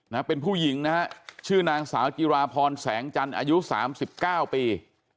นะเป็นผู้หญิงนะฮะชื่อนางสาวจิราพรแสงจันทร์อายุสามสิบเก้าปี